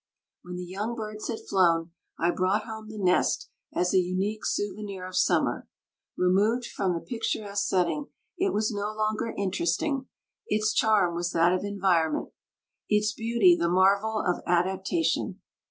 When the young birds had flown I brought home the nest as a unique souvenir of summer. Removed from the picturesque setting it was no longer interesting; its charm was that of environment; its beauty the marvel of adaptation.